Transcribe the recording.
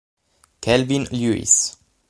Kelvin Lewis